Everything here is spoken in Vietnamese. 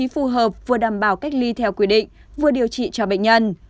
phù hợp vừa đảm bảo cách ly theo quy định vừa điều trị cho bệnh nhân